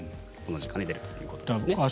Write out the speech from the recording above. この時間に出るということですね。